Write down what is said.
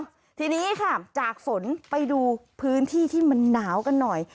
ค่ะทีนี้ค่ะจากฝนไปดูพื้นที่ที่มันหนาวกันหน่อย